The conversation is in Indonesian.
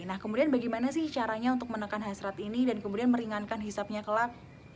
nah kemudian bagaimana sih caranya untuk menekan hasrat ini dan kemudian meringankan hisapnya kelak